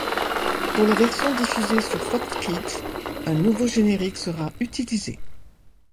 Pour la version diffusée sur Fox Kids, un nouveau générique sera utilisé.